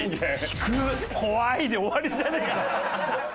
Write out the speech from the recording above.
「引く」「怖い」で終わりじゃねえか。